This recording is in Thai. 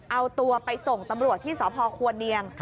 เอาตัวไปส่งตำรวจที่สพควรเนียง